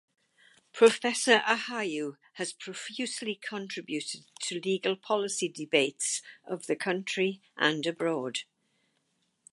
Professor Ahuja has profusely contributed to legal policy debates of the country and abroad.